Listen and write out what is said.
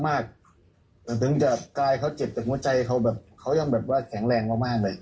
แต่ถึงจากกายเขาเจ็บแต่หัวใจเขายังแข็งแรงมากเลย